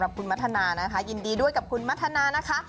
เรื่องของโชคลาบนะคะ